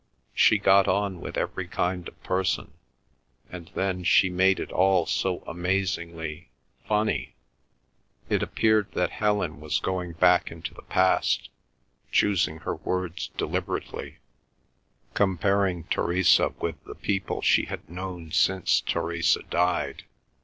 She got on with every kind of person, and then she made it all so amazingly—funny." It appeared that Helen was going back into the past, choosing her words deliberately, comparing Theresa with the people she had known since Theresa died.